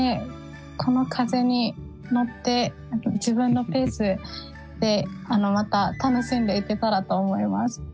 この風に乗って自分のペースでまた楽しんでいけたらと思います。